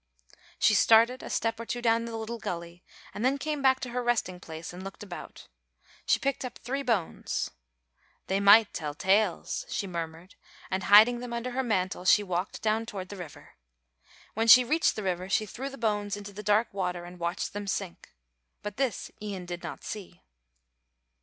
She started a step or two down the little gully and then came back to her resting place and looked about. She picked up three bones. "They might tell tales," she murmured, and, hiding them under her mantle, she walked down toward the river. When she reached the river she threw the bones into the dark water and watched them sink. But this Ian did not see.